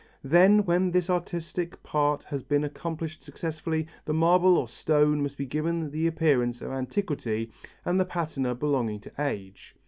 Then when this artistic part has been accomplished successfully, the marble or stone must be given the appearance of antiquity and the patina belonging to age.